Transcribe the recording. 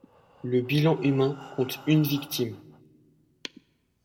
Le bilan humain compte une victime.